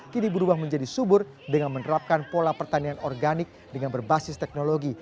kini berubah menjadi subur dengan menerapkan pola pertanian organik dengan berbasis teknologi